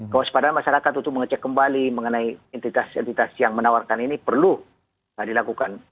kewaspadaan masyarakat untuk mengecek kembali mengenai entitas entitas yang menawarkan ini perlu dilakukan